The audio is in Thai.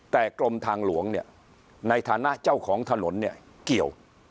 แต่กรมทางหลวงเนี่ยในฐานะเจ้าของถนนเนี่ยเกี่ยว